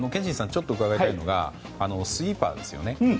ちょっと伺いたいのがスイーパーですよね